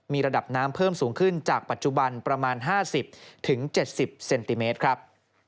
มีระดับน้ำเพิ่มสูงขึ้นจากปัจจุบันประมาณ๕๐๗๐เซนติเมตรครับ